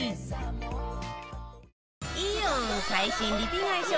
イオン最新リピ買い商品